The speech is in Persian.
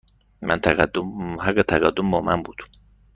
حق تقدم با من بود.